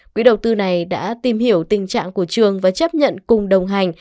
quỹ đầu tư này đã tìm hiểu tình trạng của trường và chấp nhận cùng đồng hành